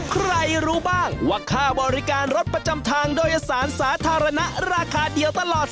ใครรู้บ้างว่าค่าบริการรถประจำทางโดยสารสาธารณะราคาเดียวตลอด